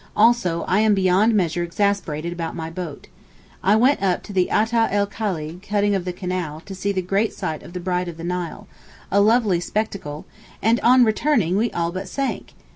Also I am beyond measure exasperated about my boat. I went up to the Ata el Khalig (cutting of the canal) to see the great sight of the 'Bride of the Nile,' a lovely spectacle; and on returning we all but sank.